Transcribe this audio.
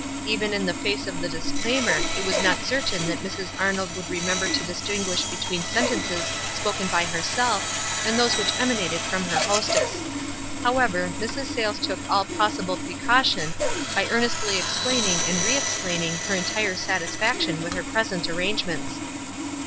Even in the face of the disclaimer it was not certain that Mrs. Arnold would remember to distinguish between sentences spoken by herself and those which emanated from her hostess. However, Mrs. Sayles took all possible precaution by earnestly explaining and re explaining her en tire satisfaction with her present arrangements.